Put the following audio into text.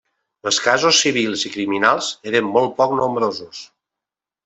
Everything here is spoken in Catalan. Els casos civils i criminals eren molt poc nombrosos.